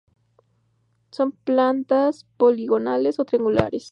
Son plantas poligonales o triangulares.